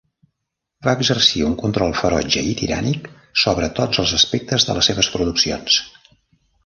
Va exercir un control ferotge i tirànic sobre tots els aspectes de les seves produccions.